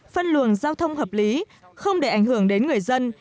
phân luồng giao thông hợp lý không để ảnh hưởng đến người dân